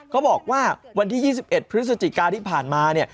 เขาบอกว่าวันที่๒๑พฤศจิกาที่ผ่านมาเนี่ย